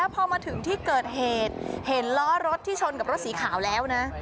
พอมาถึงก็เห็นร้อรถที่ชนกับรถสีขาวแล้วนะ